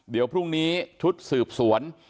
เดี๋ยวพรุ่งนี้ชุดสืบสวน